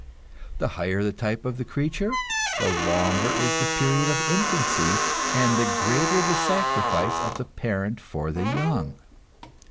The higher the type of the creature, the longer is the period of infancy, and the greater the sacrifice of the parent for the young.